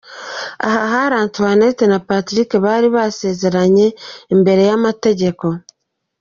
Aha hari Antoinette na Patrick bari basezeranye imbere y'amategeko.